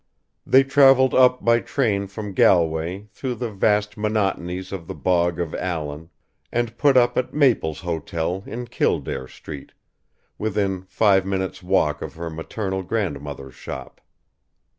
They travelled up by train from Galway through the vast monotonies of the Bog of Allen, and put up at Maple's Hotel in Kildare Street, within five minutes' walk of her maternal grandmother's shop.